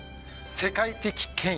世界的権威。